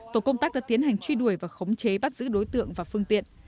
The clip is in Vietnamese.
tổ công tác đã tiến hành truy đuổi và khống chế bắt giữ đối tượng và phương tiện